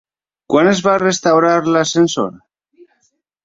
Quan es va restaurar l'ascensor?